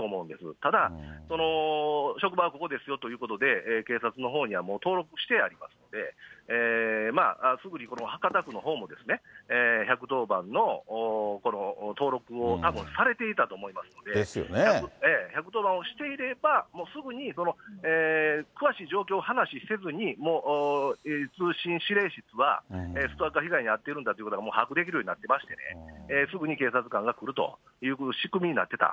ただ、職場はここですよということで、警察のほうにはもう登録してありますんで、すぐに博多区のほうも１１０番のこの登録をたぶんされていたと思いますので、１１０番をしていれば、すぐに詳しい状況を話しせずに、もう通信司令室はストーカー被害に遭っているんだということをもう把握できるようになってましてね、すぐに警察官が来るというふうな仕組みになってた。